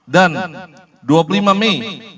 dan dua puluh lima mei dua ribu dua puluh empat